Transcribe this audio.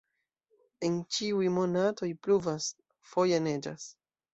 En ĉiuj monatoj pluvas, foje neĝas.